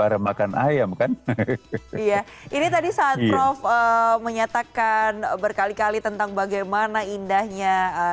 ayam kan iya ini tadi saat prof menyatakan berkali kali tentang bagaimana indahnya